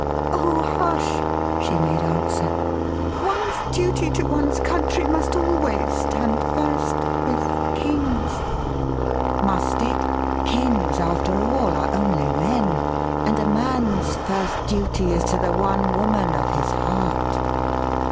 "Oh, hush!" she made answer. "One's duty to one's country must always stand first with kings." "Must it? Kings after all are only men and a man's first duty is to the one woman of his heart."